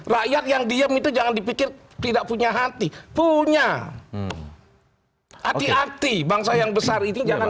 rakyat yang diem itu jangan dipikir tidak punya hati punya hati hati bangsa yang besar itu jangan